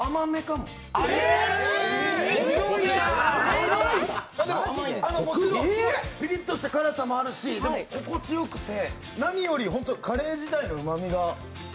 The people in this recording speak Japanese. もちろんすごいピリッとした辛さもあるし、心地よくて何よりカレー自体のうまみが。